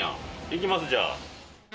いきます、じゃあ。